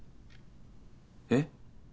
えっ？